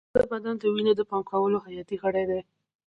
زړه د بدن د وینې پمپ کولو حیاتي غړی دی.